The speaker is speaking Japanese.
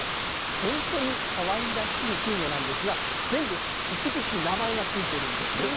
本当にかわいらしい金魚なんですが、全部一匹一匹、名前が付いてるんです。